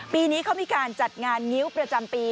ปีนี้เขามีการจัดงานงิ้วประจำปี